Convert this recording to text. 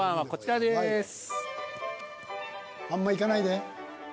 こちらです。